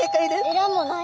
えらもない。